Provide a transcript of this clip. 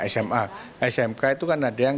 sma smk itu kan ada yang rp dua ratus lima belas